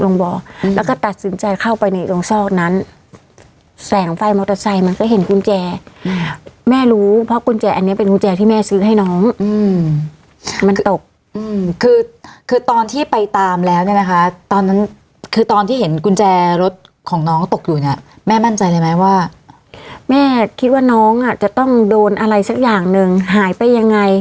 แล้วก็ตัดสินใจเข้าไปในตรงซอกนั้นแสงไฟมอเตอร์ไซค์มันก็เห็นกุญแจแม่รู้เพราะกุญแจอันนี้เป็นกุญแจที่แม่ซื้อให้น้องอืมมันตกอืมคือคือตอนที่ไปตามแล้วเนี่ยนะคะตอนนั้นคือตอนที่เห็นกุญแจรถของน้องตกอยู่เนี่ยแม่มั่นใจเลยไหมว่าแม่คิดว่าน้องอ่ะจะต้องโดนอะไรสักอย่างหนึ่งหายไปยังไง